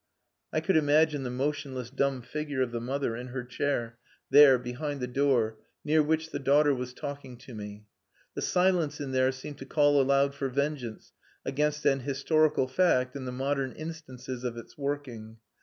I could imagine the motionless dumb figure of the mother in her chair, there, behind the door, near which the daughter was talking to me. The silence in there seemed to call aloud for vengeance against an historical fact and the modern instances of its working.